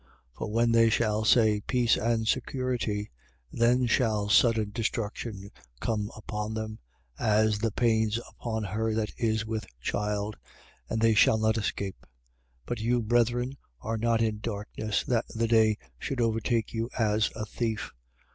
5:3. For when they shall say: Peace and security; then shall sudden destruction come upon them, as the pains upon her that is with child, and they shall not escape. 5:4. But you, brethren, are not in darkness, that the day should overtake you as a thief.